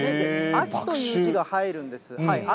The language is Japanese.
秋という字が入るんです、秋。